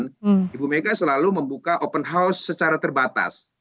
ibu megawati soekarno putri selalu membuka open house secara terbatas